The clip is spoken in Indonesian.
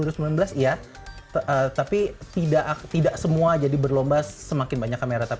iya tapi tidak semua jadi berlomba semakin banyak kamera